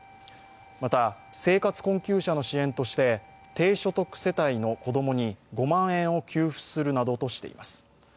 また、生活困窮者の支援として低所得世帯の子供に５万円を給付するなどとしています